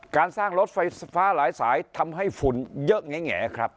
การสร้างรถไฟฟ้าหลายสายทำให้ฝุ่นเยอะแง่ครับ